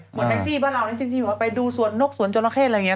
เหมือนแท็กซี่บ้านเรานี่จริงว่าไปดูสวนนกสวนจนละเข้อะไรอย่างเงี้ย